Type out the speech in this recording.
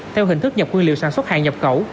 theo hình thức nhập quân liệu sản xuất hàng nhập cẩu